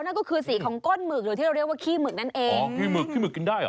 นั่นก็คือสีของก้นหมึกหรือที่เราเรียกว่าขี้หมึกนั่นเองอ๋อขี้หมึกขี้หึกกินได้เหรอ